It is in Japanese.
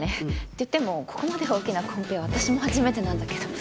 っていってもここまで大きなコンペは私も初めてなんだけど。